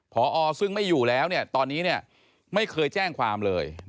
พอซึ่งไม่อยู่แล้วเนี่ยตอนนี้ไม่เคยแจ้งความเลย